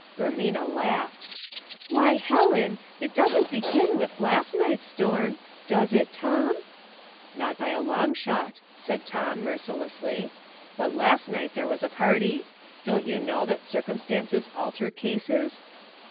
Ermina laughed. " Why, Helen ! it doesn't begin with last night's storm. Does it, Tom ?"" Not by a long shot," said Tom, mercilessly. "But last night there was a party. Don't you know that circumstances alter cases?